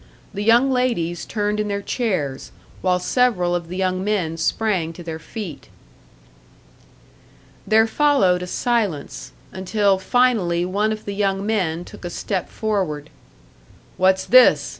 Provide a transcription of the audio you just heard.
The young ladies turned in their chairs, while several of the young men sprang to their feet. There followed a silence: until finally one of the young men took a step forward. "What's this?"